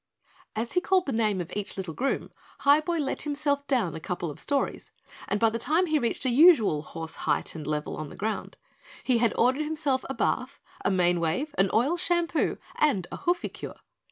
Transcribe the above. As he called the name of each little groom, Highboy let himself down a couple of stories and by the time he reached a usual horse height and level on the ground, he had ordered himself a bath, a mane wave, an oil shampoo, and a hooficure.